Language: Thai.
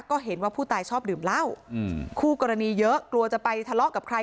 ก็เห็นว่าผู้ตายชอบดื่มเหล้าคู่กรณีเยอะกลัวจะไปทะเลาะกับใคร